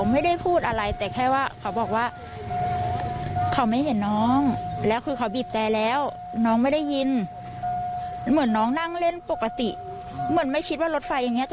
มีคนเห็นว่าเห็นผู้ชายล้างใหญ่